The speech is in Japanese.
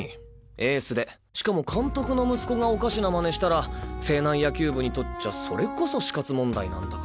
エースでしかも監督の息子がおかしな真似したら勢南野球部にとっちゃそれこそ死活問題なんだから。